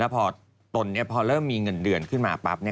ฟอย์ตนเนี่ยผมเริ่มมีเงินเดือนกันสักครู่